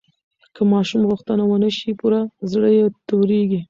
که ماشوم غوښتنه ونه شي پوره، زړه یې تورېږي.